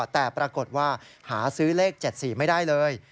แต่ปรากฏว่าหาซื้อเลข๗๔ไม่ได้เลย